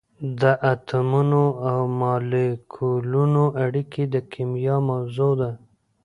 د اتمونو او مالیکولونو اړیکې د کېمیا موضوع ده.